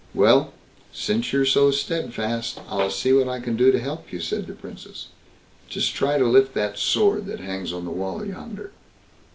"Well, since you're so steadfast I'll see what I can do to help you", said the Princess; "just try to lift that sword that hangs on the wall yonder."